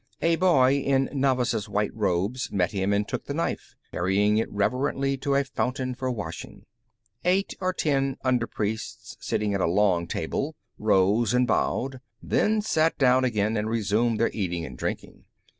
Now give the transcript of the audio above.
A boy in novice's white robes met him and took the knife, carrying it reverently to a fountain for washing. Eight or ten under priests, sitting at a long table, rose and bowed, then sat down again and resumed their eating and drinking.